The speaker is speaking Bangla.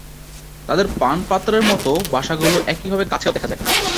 তাদের পানপাত্রের মতো বাসাগুলো একইভাবে গাছেও দেখা যায়।